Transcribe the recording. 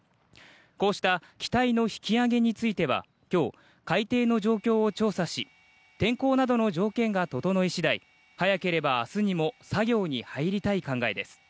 こうした機体の引き揚げについては今日、海底の状況を調査し天候などの条件が整い次第早ければ明日にも作業に入りたい考えです。